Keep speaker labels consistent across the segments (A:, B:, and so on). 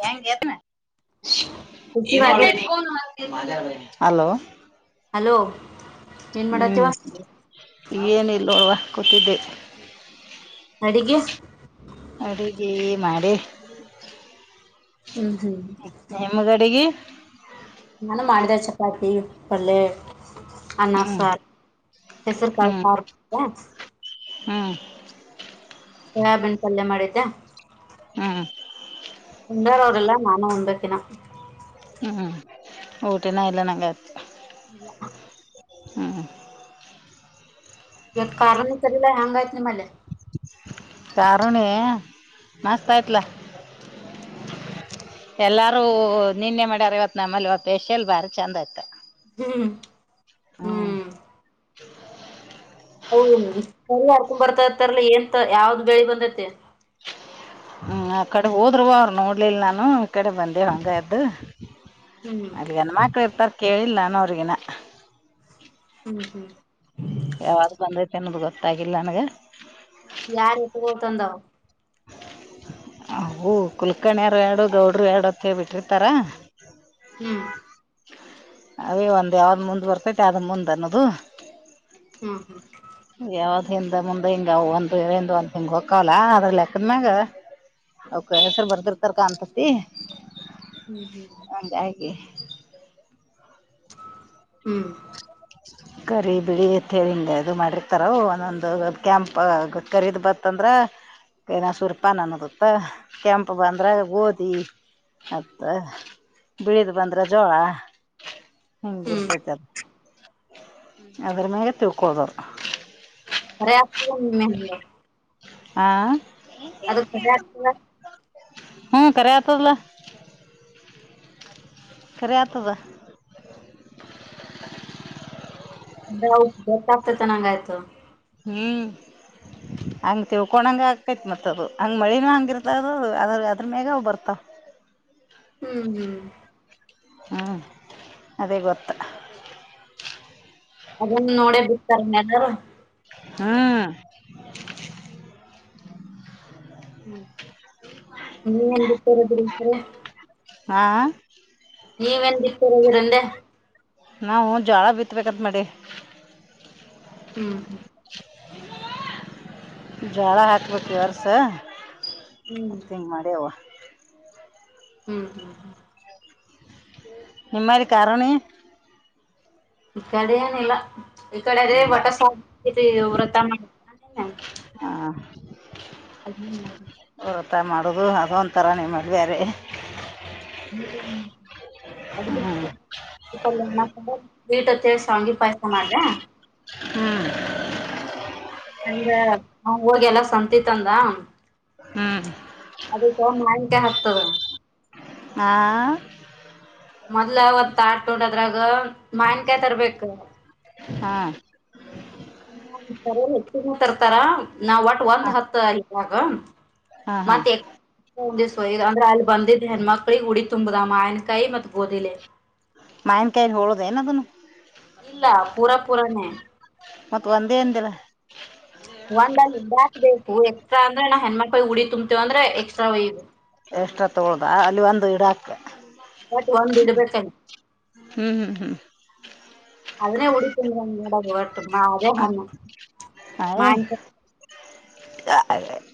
A: ಹೆಂಗತ
B: receive ಆಗೇತ್
A: hello
B: hello ಏನ್
A: ಹ್ಮ್
B: ಮಾಡತ್ತವ
A: ಏನಿಲ್ಲೋವಾ ಕೂತಿದ್ದೆ
B: ಅಗೆ
A: ಅಡುಗೆ ಮಾಡಿ
B: ಹ್ಮ್ ಹ್ಮ್
A: ನಿಮ್ಮಗಡಿಗೆ
B: ನಾನು ಮಾಡಿದೆ ಚಪಾತಿ ಪಲ್ಲೆ ಅಣ
A: ಹ್ಮ್
B: ಸಾರ್ ಹೆಸರು ಕಾರ್
A: ಹ್ಮಞ
B: ಸಬನ್ ಪಲ್ಯ ಮಾಡಿದ್ದೆ
A: ಹ್ಮ್
B: ಹಂಗಾರ ಅವ್ರಲ್ಲ ನಾನು ಮುಂದೆಕ್ಕನ
A: ಹ್ಮ್ ಊಟಿನ ಎಲ್ಲ ನಂಗ ಆಯ್ತು
B: ಇಲ್ಲ
A: ಹ್ಮ್
B: ಇವತ್ತು ಕಾರಣ ಸರಿಲ್ಲ ಹ್ಯಾಂಗಯ ನೀ ಮಲೆ
A: ಕಾರಣ ಮಸ್ತ ಆಯತ್ಲ
B: ಹಮ್
A: ಎಲ್ಲಾರೂ ನಿನ್ನೆ ಮಾಡ್ಯಾರ ಇವತ್ ನಮ್ಮಲ್ಲಿ ಪೇಶಿಯಲ್ ಬಾರಿ ಚೆಂದ ಆಯ್ತ
B: ಹ್ಮ್
A: ಹ್ಮ
B: ಹೌ ಸರಿ ಆಡ್ಕೊ್ ಬರ್ತಾರ್ತಾರಲ ಏಂತ ಯಾವ್ದ್ ಬೆಳಿ ಬಂದೈತೆ
A: ಹ್ಮ್ ಆ ಕಡೆ ಹೋದ್ವ ಅವ್ರು ನೋಡ್ಲಲ್ ನಾನು ಈ ಕಡೆ ಬಂದೆ ಹಂಗ ಎದ್ದು
B: ಹ್ಮ್
A: ಅಲ್ಲಿ ಹೆಣ ಮಕ್ಳು ಇರ್ತಾರ ಕೇಳಿಲ್ಲ ನಾನ ಅವ್ರಗಿನ
B: ಹ್ಮ್ ಹ್ಮ್
A: ಯಾವ್ದು ಬಂದೈತಿ ಅನ್ನೋದು ಗೊತ್ತಾಗಿಲ್ಲ ನನ್ಗ
B: ಮತ್ತ ಯಾರಕ್ಕೆ ಬೋತಂದ
A: ಅೂ ಕುಲ್ಕರ್ಣಿಯರು ಎರಡು ಗೌಡರು ಎರಡು ಹತ್ತೇ ಬಿಟ್ಟಿರ್ತಾರ
B: ಹ್ಮ್
A: ಅವೇ ಒಂದ್ ಯಾವ್ದ್ ಮುಂದ್ ಬರ್ತೈತಿ ಯಾವ್ದ ಮುಂದ್ ಅನ್ನದು
B: ಹ್ಮ ಹ್ಮ್
A: ಹಿಂದ ಮುಂದೆ ಹಿಂಗ ಒಂದ್ ಒಂದ್ ಹಿಂಗ್ ಹಕ್ಕವಲ್ಲ ಅದ್ರ ಹೆಸರನಾಗ ಹೆಸರ್ ಬರ್ದಿರ್ತರ್ ಕಾಣಂತತಿ
B: ಹ್ಮ್ ಹ್ಮ್ ಹ್ಮ್
A: ಕರಿ ಬಿಡಿ ಅತ್ ಹೇಳಿ ಹಿಂಗ ಇದು ಮಾಡಿರ್ತಾರ ಒಂದೊಂದು ಕ್ಯಾಂಪ್ ಕರೀದ್ ಬತ್ತಂದ್ರ ಸುರೂಪ ನನಗೆ ಗೊತ್ತಾ ಕೆಂಪ್ ಬಂದ್ರ ಗೋದಿ ಹತ್ತ ಬಿಳಿದ್ ಬಂದ್ರೆ ಜೋಳ
B: ಹ್ಮ್
A: ಹಿಂಗಿರ್ತತಿ
B: ಹ್ಮ್ ಹ್ಮ್
A: ಅದ್ರ ಮೇಲೆ ತಿಕ್ಕೋಬೋದು
B: [unintelligible]
A: ಹ
B: ಅದು ಕರೆ ಆಯ್ತಲ್ಲ
A: ಹು ಕರೆ ಆತದಲ್ಲ ಕರೆ ಆತದ
B: [unintelligible] ಹಾನಗೆ ಆಯ್ತು
A: ಹಾಂ ಹಂಗ ತಿಳ್ಕೊಡಂಗ ಆಕೈತ್ ಮತ್ ಅದು ಹಂಗ್ ಮಳಿನ ಹಂಗ ಇರ್ತ ಅದು ಅದು ಅದ್ರ ಅದ್ರ ಮೇಗಾ ಅದು ಬರ್ತಾವ್
B: ಹ್ಮ್ ಹ್ಮ್
A: ಹ ಅದೇ ಗೊತ್ತು
B: ಅದನ್ ನೋಡೇ ಬಿಡ್ತಾರೆ ಮ್ಯಾಗ
A: ಹಾ
B: ಹ್ಮ ನೀವೇನು ಬಿತಾರೆ ಬೆಳಿತೀರಿ
A: ಹಾಂ
B: ನೀವನ್ ಬಿತೀರಾ ಅಂದೇ
A: ನಾವು ಜೋಳ ಬಿತ್ತಬೇಕು ಅಂತ ಮಾಡೀವಿ
B: ಹ್ಮ್ ಹ್ಮ್
A: ಜೋಳ ಹಾಕಬೇಕು ಇವತ್ತು
B: ಹ್ಮ್
A: ಅಷ್ಟೇ ಹಂಗ್ ಮಾಡಿಯವ್ವ
B: ಹ್ಮ್
A: ನಿಮ್ಮರೀ ಕರಣಿ
B: ಈ ಕಡೆ ಏನಿಲ್ಲ ಈ ಕಡೆ ಅದೇ
A: ಇಲ್ಲ
B: ವ್ರತ ಮಾಡ
A: ಹಾಂ
B: [inaudible]
A: ಆಥ ಮಾಡೋದು ಅದು ಒಂಥರ ನಿಮ್ಮದು ಬೇರೆ ಹ್ಞೂ
B: [unintelligible] ಮಾಡಿದ್ಯಾ
A: ಹ್ಞೂ
B: ಆವ ಹೋಗಿ ಎಲ್ಲ ಸಂತಿತಂದ
A: ಹ್ಞೂ
B: [unintelligible]
A: ಹ
B: ಮೊದ್ಲ ಒಂತ ಟಾಟಾ ಅದ್ರಾಗ ಮಾನ್ಕಾಯಿ ತರ್ಬೇಕ
A: ಹಾಂ [inaudible]
B: ತರ್ತಾರ ನಾವ್ ಒಟ್ ಒಟ್ ಹತ್ ಈವಾಗ
A: ಹಾಂ ಹಾಂ
B: ಮತ್ತೆ ಅಂದ್ರೆ ಅಲ್ಲಿ ಬಂದಿದ್ದ್ ಹೆಣ್ಣ್ಮಕ್ಳಿಗೆ ಹುಡಿ ತುಂಬುದಮ್ಮ ಆನ್ ಕೈ ಮತ್ ಗೋಧಿಲಿ
A: ಮಾಯನ್ಕಾಯಿಲಿ ಹೋಳಿದೆನ್ ಏನದನು
B: ಇಲ್ಲ ಪೂರಾ ಪೂರಾನೇ
A: ಮತ್ ಒಂದೇ ಅಂದಿಲ್ಲ
B: ಒಂದಂದ ಬಾಕ್ ಬೇಕು ಎಕ್ಸ್ಟಾ ಅಂದ್ರೆ ನಾವು ಹೆಣ್ಣ್ಮಕ್ಳ ಉಡಿ ತುಂಬತೇವ ಅಂದ್ರೆ ಎಕ್ಸ್ಟ್ರಾ ಯುಯಿ
A: ಎಕ್ಸ್ಟ್ರಾ ತಕೊಳೋದ ಅಲ್ಲಿ ಒಂದು ಇಡಕ್ಕ
B: ಮತ್ ಒಂದ್ ಇಡಬೇಕು ಅಲ್ಲಿ
A: ಹ್ಮ್ ಹ್ಮ್ ಹ್ಮ್
B: ಅದನ್ನೇ ಉಡಿ
A: ಅಯ್
B: [unintelligible] [unintelligible]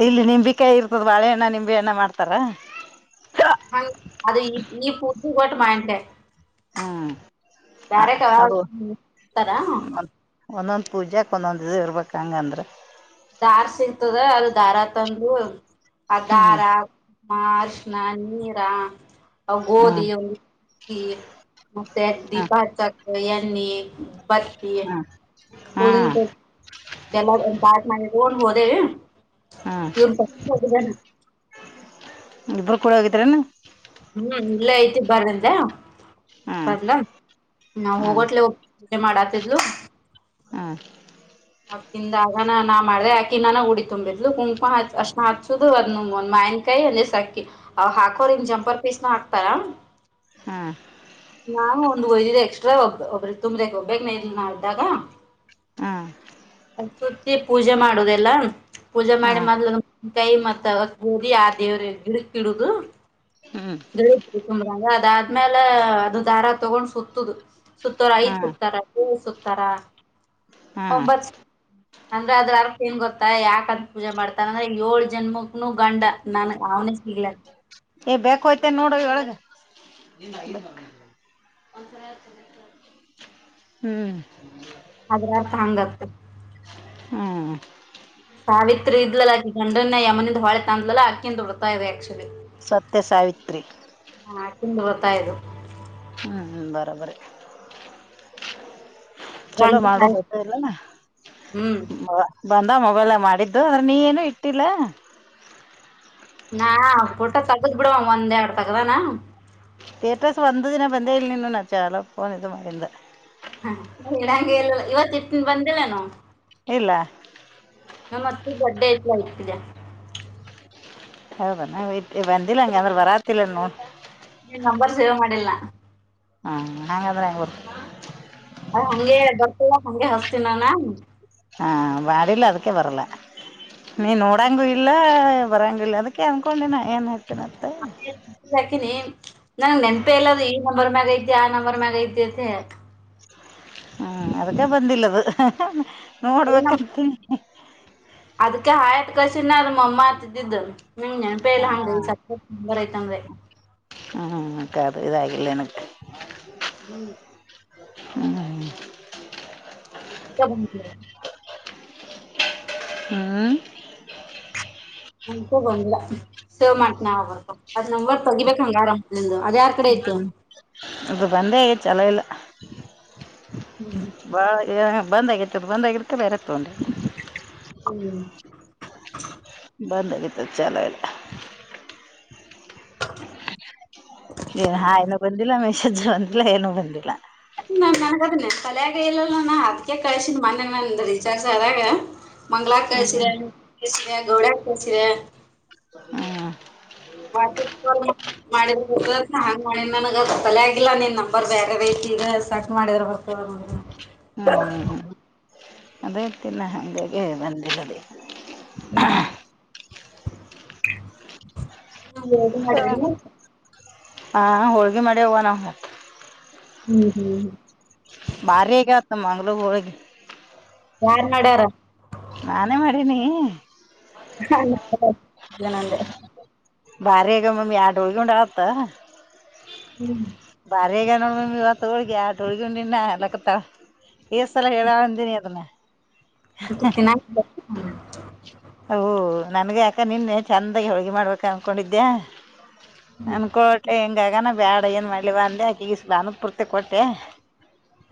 A: ಇಲ್ಲಿ ನಿಂಬಿಕಾಯಿ ಇರ್ತದ ಬಾಳೆಹಣ್ಣ ನಿಂಬೆಹಣ್ಣ ಮಾಡ್ತಾರ
B: ಹಂಗ ಅದು ಈ ಫುಡಿಹಗಟ್ಟ ಮಾವಿನಕಾಯಿ
A: ಹ್ಮ್ ಅ
B: ಬೆರೆದು ತರ
A: ಒಂದೊಂದು ಪೂಜೆಕ ಒಂದೊಂದು ಇದು ಇರ್ಬೇಕು ಹಂಗ ಅಂದ್ರೆ
B: ದಾರ್ ಸಿಗ್ತದ ಅದು ದಾರ ತಂದು
A: ಹ್ಮ್
B: ಅದಾರಮ್ಮ ಅರ್ಶ್ಣ ನೀರ
A: ಹ್ಮ್ ಹ್ಮ್
B: [unintelligible] [unintelligible]
A: ಹ್ಮ್ ಹ್ಮ್
B: ಹೊಂಡ ಹೋದೆೇ
A: ಹ್ಮ್
B: ಇವ್ರ ಬ ಹೋಗಾನ
A: ಇಬರು ಕೂಡೆ ಹೋಗಿದ್ರನು
B: ಹ್ಮ್ ಇಲ್ಲೇ ಐತಿ ಬರಂದ
A: ಹ್ಮ್
B: ಬರ್ಲ ನಾವ
A: ಹ್ಮ್
B: ಹೋಗೋಟ್ಲೆ ಪುಜೆ ಮಾಡಾತಿದ್
A: ಹ
B: ಅಕಿಂದ ಆಗನ ನಾ ಮಾಡ್ದೆ ಆಕಿನ್ನ ಹುಡಿ ತುಂಬಿದ್ಲು ಕುಂಕಮ ಅ ಹಚ್ಚುದು ಅದ ಒಂದ ಮಾನ್ಕ ಕೈ ಅಂದ್ರ ಸಾಕಿ ಅವ ಹಾಕೋರ ಇನ್ ಜಂಪರ್ ಪೀಸ್ ನ ಹಾಕ್ತಾರ
A: ಹಾ
B: ನಾವು ಒಂದ್ ಒಯ್ದಿದೆ ಎಕ್ಸ್ಟ್ರಾ ಒಬ್ಬ ಒಬ್ರ ತುಂಬ್ರಕ್ ಒಬ್ಬೇಕ್ ನ ಇಲ್ ನಾವ ಇದ್ದಾಗ
A: ಹಾ
B: ಸುತ್ತಿ ಪೂಜೆ ಮಾಡೋದೆಲ್ಲಾ ಪೂಜೆ ಮಾಡಿ
A: ಹ್ಮ್
B: ಮದ ಕೈ ಮತ್ತ ಹುರಿ ಆ ದೇವರಿಗೆ ಗಿಡುಕ ಇಡುದು ಗಿಡು ತುಂಬಾಾಗ ಅದು ಅದ್ಮೇಲೆ ಅದು ದಾರ ತಗೊಂಡ್ ಸುತ್ತುದು ಸುತ್ತಾರ ಐದ್
A: ಹ್ಮ್
B: ಸಕ್ತಾರ ಏಳ ಸತಾರ
A: ಹ್ಮ್
B: ಒಂಬತ್ ಅಂದ್ರೆ ಅದ್ರ ಅಕ್ ಏನ್ ಗೊತ್ತ ಯಾಕ ಅದ ಪೂಜೆ ಮಾಡತಾರ ಅಂದ್ರೆ ಏಳ್ ಜನ್ಮ ನು ಗಂಡ ನನ್ ಅವನೇ ಸಿಗ್ಲತ್ತ
A: ಕೊ ತೆ ನೋಡವಳಗೆ ಹ್ಮ್
B: ಅದ್ರ ಅರ್ಥ ಹಂಗ ಆತದೆ
A: ಹ್ಮ್
B: ಸಾವಿತ್ರಿ ಇದ್ಲಲ್ಲಾ ಅಕಿ ಗಂಡನ ಯಮ್ಮನಿಂದ ಹೊಳೆ ತಂದ್ಲಲ್ಲಾ ಆಕಿಂತ ಬರ್ತಾ ಇದೆ ಆಕ್ಚುಲಿ
A: ಸತ್ಯ ಸಾವಿತ್ರಿ
B: ಹತ್ತಾಯದು
A: ಹ್ಮ್ ಬರಬರಿ ಚಲೋ
B: ಗಂಡ
A: ಮಾಡೋ ಬರ್ತ ಇಲ್ಲಾನ
B: ಹ್ಮ್
A: ಬಂದ ಮೊಬೈಲ್ ಮಾಡಿದ್ದು ಅಂದ್ರೆ ನೀ ಏನು ಇಟ್ಟಿಲ್ಲ
B: ನಾ ಪಟ್ಟ ತಗದು ಬಿಡ ಒಂದ ಎಡ್ ತಗದಾನ
A: ಯೇಟರ್ಸ್ ವಂದ ದಿನ ಬಂದ ಇಲ್ಲಿ ನಿ ನಚಾಲ ಪನ್ ಇದು ಮಿಂದ
B: ಹ ಇಡಂಗಗೆ ಎಲ್ಲ ಇವತ್ ಇಟ್ಟ ಬಂದಿಲ್ಲನು
A: ಇಲ್ಲ
B: ಬಡ್ಡ ತಯತಿದೆ
A: ಹೌದ ನ ಬಂದಿಲ್ಲ ಹಂಗ ಅಂದ್ರ ಬರಾತಿಲ್ಲ ನೋಡಿ
B: ನೀನ್ ನಂಬರ್ ಸೇವ್ ಮಾಡಿಲ
A: ಹ್ಮ ನಂಗ್ ಅದೆಲ್ಲ ಹೆಂಗ್ ಗೊತ್ತು
B: ಅದ ಹಂಗೆ ಬರ್ತಲ್ಲ ಹಗೆ ಹಸ್ತೀನಾನಾ
A: ಹಾ ಮಾಡಿಲ್ಲ ಅದಿಕ್ಕೆ ಬರಲ್ಲ ನೀ ನೋಡಂಗೂ ಇಲ್ಲ ಬರಂಗ ಇಲ್ಲ ಅದಕ್ಕೆ ಅನ್ಕೊಂಡಿನ ಏನ್ ಹೇಳ್ತಿರಂತ
B: ಹಾಕಿನಿ ನಂ ನೆನ್ಪೆ ಇಲ್ಲದು ಈ ನಂಬರ್ ಮ್ಯಾಗ ಐತಿ ಆ ನಂಬರ್ ಮ್ಯಾಗ ಐತಿತೆ
A: ಹ್ಮ್ ಅದಗ ಬಂದಿಲ್ಲದು ನೋಡ್ಬೇಕಂತನಿ
B: ಅದಕ್ಕೆ ಹಾಯ್ತ್ ಕಸಿನ ಮ ಅಮ್ಮ ಅತಿದ್ದಿದ್ದ ಹ್ಮ್ ನೆನಪೆ ಇಲ್ಲ ಹಂಗ
A: ಹ
B: ಸಂಬರಐತ ಅಂದ್ರೆ
A: ದು ಇದಾಗಿಲ್ಲ ನಿನಗ
B: ಹ್ಮ್
A: ಹ್ಮ್ಮ್
B: [inaudible]
A: ಹ್ಮ್
B: ನನ್ಕೂ ಗಂದಿಲ್ಲ ಸೇವ್ ಮಾಡ ನಾವಬರ್ಬೇಕು ಅದ್ ನಂಬರ್ ತಗಿಬೇಕ ಹೆಂಗರ ಅದ ಯಾರ್ ಕಡೆ ಐತಿ
A: ಬಾ ಏ [unintelligible] ಬಂದ ಆಗೈತ್ ಅದು ಬಂದ ಆಗಿರದ್ಕೆ ಬೇರೆ ತಗೊಂಡಿ
B: ಹ್ಮ್
A: ಬಂದಗತ ಚೆನ್ನಲ್ಲ [unintelligible]
B: [inaudible]
A: ಶಜ ಅಂತಿಲ್ಲ ಏನೂ ಬಂದಿಲ್ಲ [unintelligible]
B: ನಗೆದನ್ನ [unintelligible] ಕಲಿಯಾಗೈಲ್ಲಲ್ಲ ನಾ ಅದ್ಕ ಕಳ್ಸಿದ ಮೊನ್ನೆ ನಂದು ರಿಚಾರ್ಜ್ ಆದಾಗ ಮಂಗಗಳ
A: ಹ್ಮ್
B: ಕಳ್ಸರ ಕಸರ ಗೌಡ್ಯ ಕಸರ [unintelligible]
A: ಹ್ಮ
B: ವಾಚಕ [unintelligible] ಮಾಡಿದ್ರ ಬ ಹಾಂಗ್ ಮಾಡಿದ ನನಗ ತಲೆ ಆಗಿಲ್ಲಾ ನೀನ್ ನಂಬರ್ ಬೇರೆ ಬೇಕ ಈಗ ಸಾಕ ಮಾಡಿದ್ರ ಬರ್ತವ ಹ್ಮ [inaudible]
A: ಹ್ಮ್ ಅದೇ ತಿಿನಂದೇ ಬಂದಿ ದ
B: ಹ್ಮ [inaudible] ನಾ ಎ್ದ ಮಾಡಣ [unintelligible]
A: ಹಾ ಹೋಳ್ಗಿ ಮಾಡಿವ್ ಅವ್ವ ನಾವು
B: ಹ್ಮ್ ಹ್ಮ್
A: ಬಾರಿಗತ್ತ ಮಂಗ್ಳ ಹಳಗೆ [unintelligible]
B: ಯಾರ್ ಮಾಡ್ಯಾರ
A: ನೀ [inaudible]
B: ಹ ಜನಂದ [unintelligible]
A: ಬಾರಿ ಈಗ ಮಮ್ಮಿ ಆಡು ಹಳ್ಗೊಂಡ ಆತ್ತ [unintelligible]
B: ಹ್ಮ್
A: ಬಾರಿ ಆಗ್ಯಾವ ನೋಡ್ ಮಮ್ಮಿ ಇವತ್ ಹೋಳ್ಗೆ ಎರಡು ಹೋಳ್ಗೆ ಉಂಡ್ಯಾನ್ ನ ಅನ್ನಾಕತ್ತಾಳ ಸಲ ಹೇಳಡಂತೀನಿ ಅದನ [unintelligible]
B: ಿನಾ [inaudible]
A: ಓ ನನ್ಗ ಯಾಕ ನಿನ್ನೆ ಚಂದಾಗಿ ಹೋಳ್ಗೆಿ ಮಾಡ್ಬೇಕ ಅನ್ಕೊಂಡಿದ್ದ್ಯಾ
B: ಹ್ಮ್
A: ಅನ್ಕೋಟೆ ಹೆಂಗಗನ ಬ್ಯಾಡ ಏನ್ ಮಾಡ್ಲೇವ ಅಂದೆ ಆಕಿ ಈಸ್ ಭಾನತ್ ಪೂರ್ತಿ ಕೊಟ್ಟೆ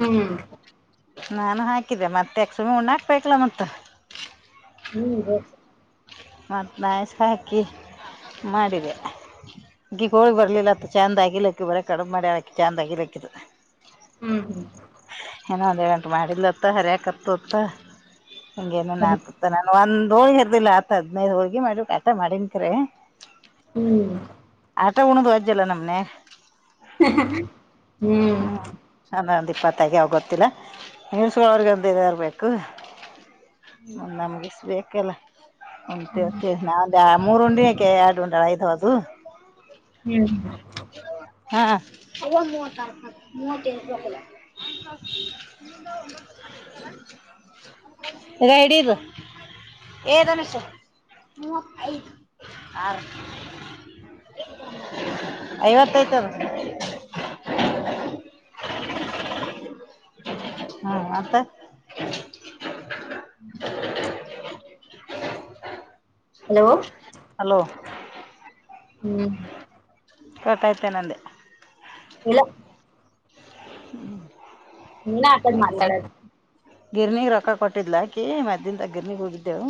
B: ಹ್ಮ್
A: ನಾನು ಹಾಕಿದ್ದೆ ಮಾತ್ಯಾಕ್ ಸುಮ್ನೆ ಉಣ್ಣಾಕ್ ಬೇಕಲ್ಲ ಮತ್ತ್
B: ಹ್ಮ್ ಹ [inaudible]
A: ಮತ್ತ್ ನಾಯಸಾಕಿ ಮಾಡಿದೆೆ ದೀಪಾವಳಿ ಬರ್ಲಿಲ್ಲತ್ತ ಚಂದ್ ಆಗಿಲಕ್ಕಿ ಬರೆ ಕಡಿಮ್ ಮಾಡಲ್ ಆಕಿ ಚಂದ್ ಆಗಿಲ್ ಅಕ್ಕಿದು
B: ಹ್ಮ್ ಹ್ಮ್
A: ಏನೋ ಒಂದು ವೆಂಟ್ ಮಾಡಿಲ್ಲತ್ತ ಹರಿಯಕತ್ತತ್ತ ಹಂಗೇನನು ಆತತ್ತ ನಾನ ಒಂದು [unintelligible] ಹೋಳಿಗೆ ಹರ್ದಿಲ್ಲ ಅತ್ ಹತ್ತ ಹದನೈದ ಹೋಳ್ಗಿ ಮಾಡಿ ಕರೆ ಆಟ ಮಾಡನ್ ಕಡೆ [unintelligible]
B: ಹ್ಮ್
A: ಮಟ ಉಣದು ಅಜ್ಜಲ್ಲ ನಮ್ನೆ [unintelligible]
B: ಹ್ಮ್
A: ತಗ್ಯವ ಗೊತ್ತಿಲ್ಲ ನಿರ್ಸವ್ರಗಂತರ್ಬೇಕು [unintelligible] ನಮ್ಗೆಷ್ಟ ಬೇಕಲ್ಲ ನಾವ ಯ [unintelligible] ಮೂರ್ ಉಂಡಿ ಯಾಕೆ ಎರಡು ಗಂಟೆ ಆಯ್ತ ಹದು [unintelligible]
B: ಹ್ಮ್
A: ಹಾ ಹ ಮೂವಾರ ಮೂವಕಲ್ಲ [unintelligible] [inaudible] ಗಡಿರು [unintelligible] ಏ ಗಣೇಶ್ ಮೂವತೈದ ಆರ್ [unintelligible] ಐವತ್ತೈತದ
B: [inaudible]
A: ಹಾ ಅತ್
B: ಹಲೋ [unintelligible]
A: ಹಲೋ
B: ಹ್ಮ್
A: ಕೊಟ್ಟಾಯತೆ ನಂದ [unintelligible]
B: ಇಲ್ಲ
A: ಹ್ಮ್ [inaudible]
B: ನೀನ್ ಆ ಕಡೆ ಮಾತಾಡದು
A: ಗಿರ್ನಿಗೆ ರೊಕ್ಕ ಕೊಟ್ಟಿದಲ ಅಕಿ ಮದ್ಯಾನ ದಾಗ ಗಿರ್ನಿಗೆ ಹೋಗಿದ್ದೆವು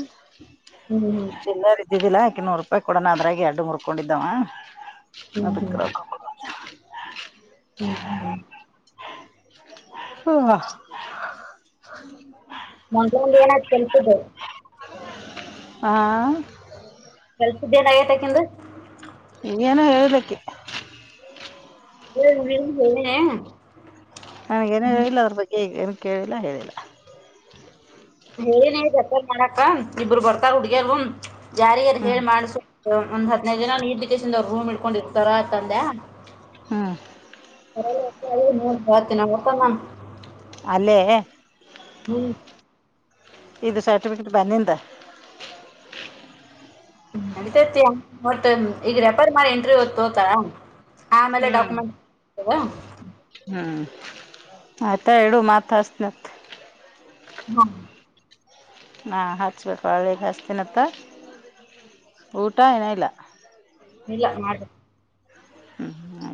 B: ಹ್ಮ್ ಹ್ಮ್
A: ಚಿಲ್ಲಾರ ಇದ್ದಿದ್ದಿಲ್ಲಾ ಅಕಿ ನೂರು ರೂಪಾಯಿ ಕೊಡೋಣ ಅದ್ರಾಗಿ ಯಾಡು ಮುರ್ಕೊಂಡಿದ್ದಾವ
B: ಹ್ಮ್ ಹ್ಮ್ ಹ್ಮ್
A: ಹ [inaudible]
B: ಹ್ಮ್
A: ಹ್ಮ ಹಾ [unintelligible]
B: ಮೊನ್ಗೊಂದ್ ಏನಾಯ್ತು ಕೆಲ್ಸದ್ದು
A: ಹ [unintelligible]
B: ಕಲ್ಸಿದ್ದೇನ ಯಾಟ್ಕಿಂದ
A: ನೀ ಏನು ಹೇಳಿದಲ ಅಕಿ
B: ಏ ಹೇಳ ಹೇಳ [inaudible]
A: ಏನ ಹೇಳಿದಲ್ಲ ಅದ್ರ ಬಗ್ಗೆ ಏನ ಕೇಳಿಲ್ಲ ಹೇಳಿಲ್ಲ
B: ಹೇಳನಿ ರಿಪೇರಿ ಮಾಡಕ್ಕ ಇಬ್ಬರು ಬರ್ತಾರ ಹುಡಗ್ಯಾರ್ ಜಾರಿಯಾರ
A: ಹ್ಞೂ
B: ಹೇಳ್ ಮಾಡಸು ಒಂದ ಹದಿನೈದು ದಿನ ನಿದ್ದೇಕೆಡ್ಸಿದಿಯ ರೂಮ್ ಇಡ್ಕೊಂಡಿದ್ ಇರತರ ಆಯ್ತ ಅಂದೆ
A: ಹ್ಮ
B: ನೋ ಬತಿನ ಮತ್ತ್ [unintelligible]
A: ಅಲ್ಲೇ
B: ಹ್ಮ್
A: ಇದು ಸರ್ಟಿಫಿಕೇಟ್ ಬಂದಿಂದ
B: ಹ್ಮ ನಡಿತೇತಿ ಮತ್ತ್ ಈಗ ರೆಪೇರ್ ಮಾಡಿ ಎಂಟ್ರಿ ತಗೋತಾರ ಆಮೇಲೆ
A: ಹ್ಞೂ
B: ಡಾಕ್ಯುಮೆಂಟ್ ಕೊಡ್ತಾರಾ
A: ಆತ ಇಡು ಮತ್ತ್ ಹಚ್ಚತನಿ ಅಂತ
B: ಹಾ
A: ನಾ ಹಚ್ಬೇಕು ಹಳ್ಳಿಗೆ ಹಚ್ಚನತ್ತ ಊಟಾ ಇನ ಇಲ್ಲ
B: ಇಲ್ಲ ಮಾಡಬೇಕು
A: ಹ್ಮ್ ಹ್ಮ್ [inaudible]